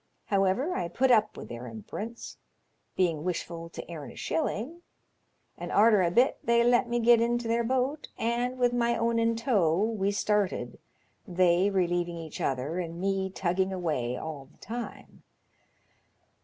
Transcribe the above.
However, I put up with their imperence, being wishful to airn a shilling, and arter a bit they let me get into their boat, and, with my own in tow, we started, they relieving each other, and me tugging away all the time.